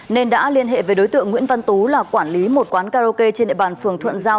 nên đã liên hệ với đối tượng nguyễn văn tú là quản lý một quán karaoke trên địa bàn phường thuận giao